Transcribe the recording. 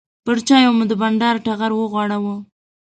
پر چایو مو د بانډار ټغر وغوړاوه.